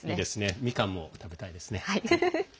みかんも食べたいですね。